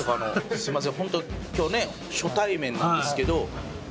すいません。